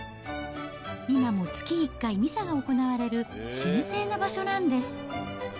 今も月１回ミサが行われる神聖な場所なんです。